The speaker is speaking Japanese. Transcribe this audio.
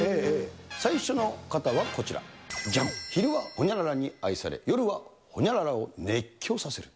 最初の方はこちら、ジャン、昼はホニャララに愛され、夜はホニャララを熱狂させる。